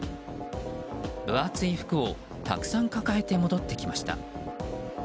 分厚い服をたくさん抱えて戻ってきました。